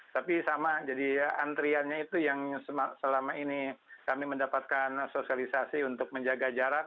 tapi sama jadi antriannya itu yang selama ini kami mendapatkan sosialisasi untuk menjaga jarak